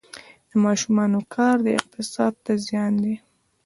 د ماشومانو کار اقتصاد ته زیان دی؟